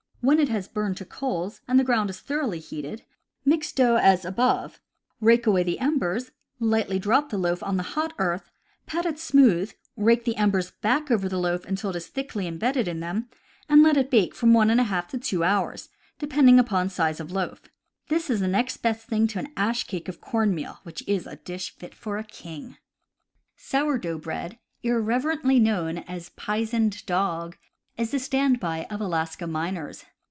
When it has burned to coals and the ground is thoroughly heated, mix dough as above. 122 CAMPING AND WOODCRAFT rake away the embers, lightly drop the loaf on the hot earth, pat it smooth, rake the embers back over the loaf until it is thickly embedded in them, and let it bake from 1^ to 2 hours, depending upon size of loaf. This is the next best thing to an ash cake of corn meal — which is a dish fit for a king. Sour dough Bread, irreverently known as "pizened dog," is the stand by of Alaska miners.